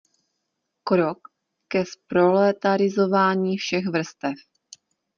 Krok ke zproletarizování všech vrstev.